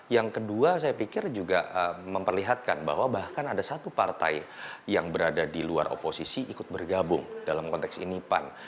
yang kedua saya pikir juga memperlihatkan bahwa bahkan ada satu partai yang berada di luar oposisi ikut bergabung dalam konteks ini pan